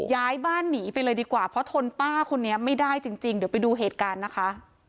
ย้ายบ้านหนีไปเลยดีกว่าเพราะทนป้าคนนี้ไม่ได้จริงเดี๋ยวไปดูเหตุการณ์นะคะ